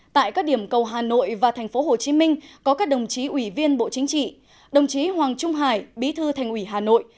tại các điểm cầu hà nội và thành phố hồ chí minh có các đồng chí ủy viên bộ chính trị đồng chí hoàng trung hải bí thư thành ủy hà nội